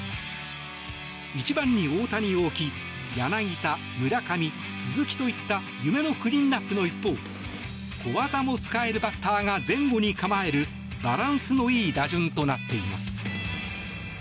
１番に大谷を置き柳田、村上、鈴木といった夢のクリーンアップの一方小技も使えるバッターが前後に構えるバランスのいい打順となっています。